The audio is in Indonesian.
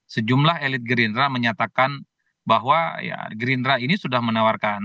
sejumlah elit gerindra menyatakan bahwa gerindra ini sudah menawarkan